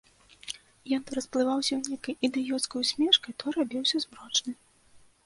Ён то расплываўся нейкай ідыёцкай усмешкай, то рабіўся змрочны.